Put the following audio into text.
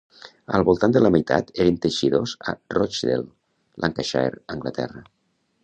Al voltant de la meitat eren teixidors a Rochdale, Lancashire, Anglaterra.